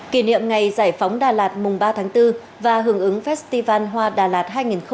kỷ niệm ngày giải phóng đà lạt mùng ba tháng bốn và hưởng ứng festival hoa đà lạt hai nghìn hai mươi bốn